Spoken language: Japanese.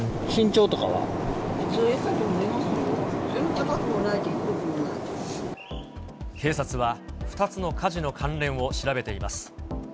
高くもないし低警察は２つの火事の関連を調べています。